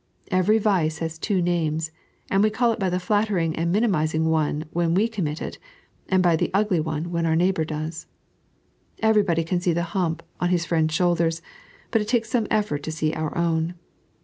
Every vice has two names ; and we call it by the flatt«ring and minimising one when we commit it, and by the ugly one when our neighbour does. Everybody can see the hump on his friend's shoulders, but it takes some effort to see our own.